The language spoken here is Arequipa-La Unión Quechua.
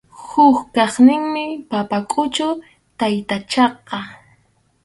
Huk kaqninmi Pampakʼuchu taytachaqa.